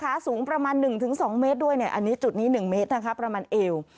ขาสูงประมาณ๑ถึง๒เมตรอันนี้จุดนี้๑เมตรประมาณเอว